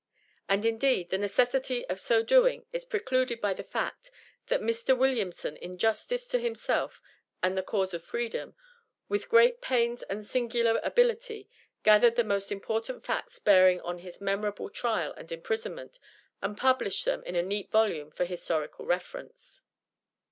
And, indeed, the necessity of so doing is precluded by the fact that Mr. Williamson in justice to himself and the cause of freedom, with great pains and singular ability, gathered the most important facts bearing on his memorable trial and imprisonment, and published them in a neat volume for historical reference.